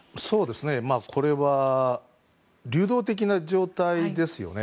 これは流動的な状態ですよね。